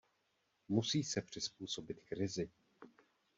Musí se přizpůsobit krizi.